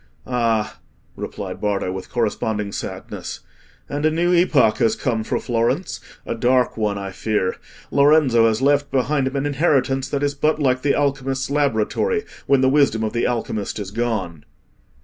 "Ah!" replied Bardo, with corresponding sadness, "and a new epoch has come for Florence—a dark one, I fear. Lorenzo has left behind him an inheritance that is but like the alchemist's laboratory when the wisdom of the alchemist is gone."